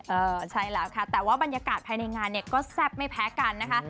เออใช่แล้วค่ะแต่ว่าบรรยากาศภายในงานเนี่ยก็แซ่บไม่แพ้กันนะคะ